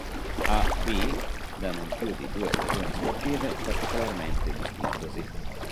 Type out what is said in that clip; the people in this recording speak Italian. A-B da non più di due stagioni sportive particolarmente distintosi.